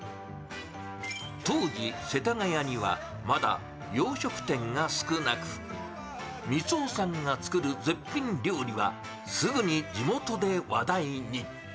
当時、世田谷にはまだ洋食店が少なく光男さんが作る絶品料理はすぐに地元で話題に。